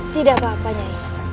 tidak apa apa nyai